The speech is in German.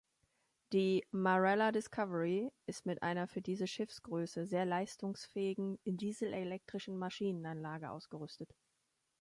Die "Marella Discovery" ist mit einer für diese Schiffsgröße sehr leistungsfähigen, dieselelektrischen Maschinenanlage ausgerüstet.